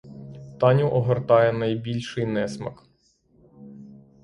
Таню огортає найбільший несмак.